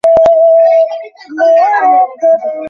মন্দিরের কাছে কালী ও লক্ষ্মী-নারায়ণের মন্দির আছে।